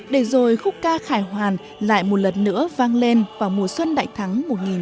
để rồi khúc ca khải hoàn lại một lần nữa vang lên vào mùa xuân đại thắng một nghìn chín trăm bảy mươi năm